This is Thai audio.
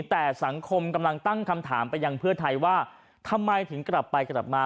แต่สังคมกำลังตั้งคำถามไปยังเพื่อไทยว่าทำไมถึงกลับไปกลับมา